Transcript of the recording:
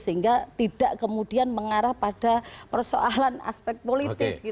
sehingga tidak kemudian mengarah pada persoalan aspek politis